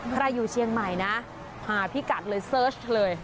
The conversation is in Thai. ใครอยู่เชียงใหม่นะหาพี่กัดเลยเสิร์ชเลย